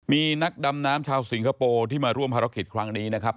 มีนักดำน้ำชาวสิงคโปร์ที่มาร่วมภารกิจครั้งนี้นะครับ